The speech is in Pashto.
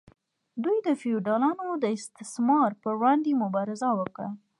دوی د فیوډالانو د استثمار پر وړاندې مبارزه وکړه.